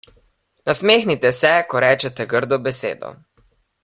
Nasmehnite se, ko rečete grdo besedo.